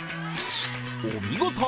お見事！